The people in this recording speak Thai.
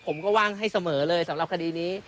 ผมก็ว่างให้เสมอเลยสำหรับคดีนี้